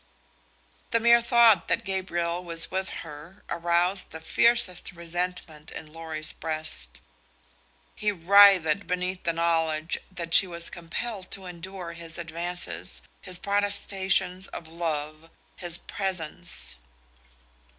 The mere thought that Gabriel was with her aroused the fiercest resentment in Lorry's breast. He writhed beneath the knowledge that she was compelled to endure his advances, his protestations of love, his presence.